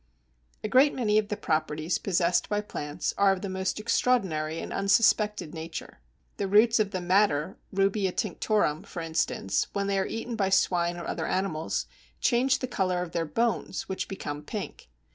A great many of the properties possessed by plants are of the most extraordinary and unsuspected nature. The roots of the Madder (Rubia tinctorum), for instance, when they are eaten by swine or other animals, change the colour of their bones, which become pink.